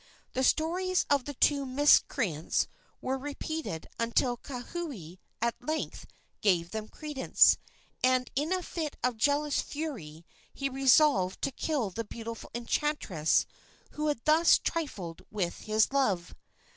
The stories of the two miscreants were repeated until Kauhi at length gave them credence, and in a fit of jealous fury he resolved to kill the beautiful enchantress who had thus trifled with his love.